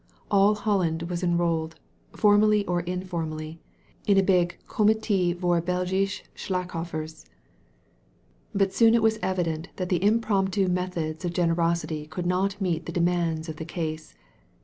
All Holland was enrolled, formally or informally, in a big ComiU voor BdgUche Slachioffers. But soon it was evident that the impromptu methods of generosity could not meet the demands of the case.